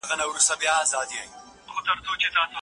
ډاکتر وویل چې د مېوې خوړل د بدن دفاعي سیستم پیاوړی کوي.